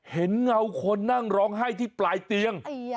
เงาคนนั่งร้องไห้ที่ปลายเตียง